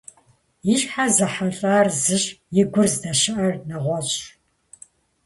И щхьэр зэхьэлӀар - зыщ, и гур здэщыӀэр нэгъуэщӀщ.